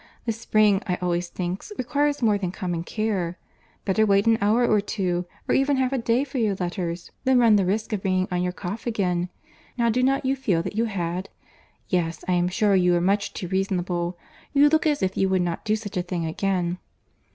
The spring I always think requires more than common care. Better wait an hour or two, or even half a day for your letters, than run the risk of bringing on your cough again. Now do not you feel that you had? Yes, I am sure you are much too reasonable. You look as if you would not do such a thing again."